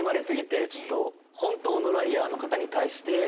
本当のライアーの方に対して。